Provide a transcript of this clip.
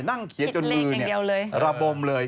นั่งเขียนจนมือนี่ระบมเลย